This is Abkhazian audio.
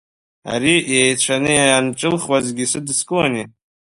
Ари еицәаны ианҿылхуазгьы исыдыскылонеи?